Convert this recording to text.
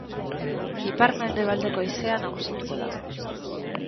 Ipar-mendebaldeko haizea nagusituko da.